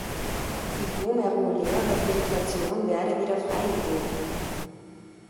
Die glomeruläre Filtration werde wieder freigegeben.